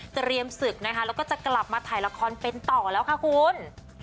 ศึกนะคะแล้วก็จะกลับมาถ่ายละครเป็นต่อแล้วค่ะคุณ